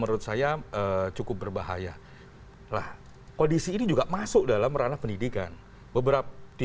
menurut saya cukup berbahaya lah kondisi ini juga masuk dalam ranah pendidikan beberapa di